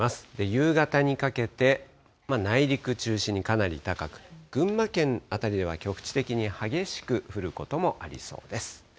夕方にかけて、内陸中心にかなり高く、群馬県辺りでは局地的に激しく降ることもありそうです。